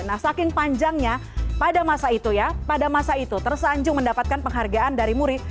nah saking panjangnya pada masa itu ya pada masa itu tersanjung mendapatkan penghargaan dari muri